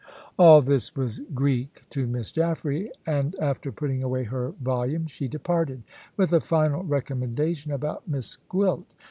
All this was Greek to Miss Jaffray, and after putting away her volume she departed, with a final recommendation about Miss Gwilt.